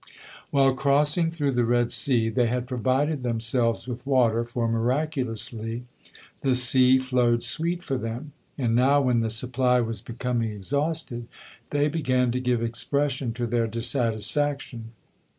While crossing through the Red Sea they had provided themselves with water, for, miraculously, the sea flowed sweet for them; and now when the supply was becoming exhausted, they began to give expression to their dissatisfaction.